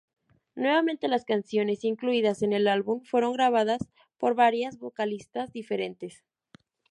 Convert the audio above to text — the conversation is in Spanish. Nuevamente las canciones incluidas en el álbum fueron grabadas por varias vocalistas diferentes.